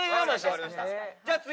じゃあ次！